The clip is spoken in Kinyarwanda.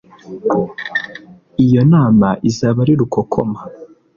Iyo nama izaba ari rukokoma